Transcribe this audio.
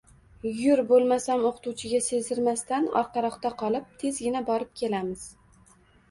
Yur bo`lmasam, o`qituvchiga sezdirmasdan orqaroqda qolib, tezgina borib kelamiz